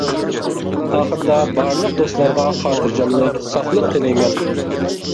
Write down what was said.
ئاخىرىدا بارلىق دوستلارغا خاتىرجەملىك، ساقلىق تىلەيمەن!